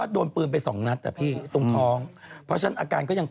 ต้องใส่เสื้อเชียงราย